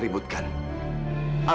gugup itu apa apa